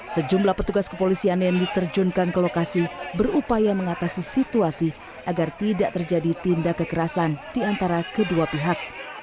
sejumlah petugas kepolisian yang diterjunkan ke lokasi berupaya mengatasi situasi agar tidak terjadi tindak kekerasan di antara kedua pihak